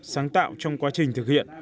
sáng tạo trong quá trình thực hiện